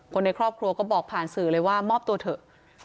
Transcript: คนในครอบครัวก็บอกผ่านสื่อเลยว่ามอบตัวเถอะ